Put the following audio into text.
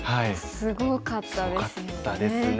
すごかったですね。